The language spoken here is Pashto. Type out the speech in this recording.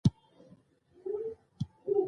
خویندې کولای شي له دې اسانتیا څخه ځانونه ګټمن کړي.